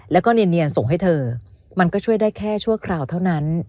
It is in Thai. แล้วก็เนียนส่งให้เธอมันก็ช่วยได้แค่ชั่วคราวเท่านั้น